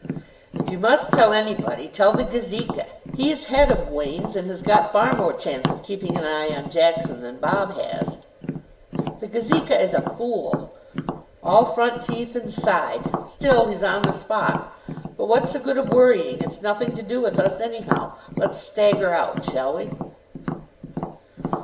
"If you must tell anybody, tell the Gazeka. He's head of Wain's, and has got far more chance of keeping an eye on Jackson than Bob has." "The Gazeka is a fool." "All front teeth and side. Still, he's on the spot. But what's the good of worrying. It's nothing to do with us, anyhow. Let's stagger out, shall we?"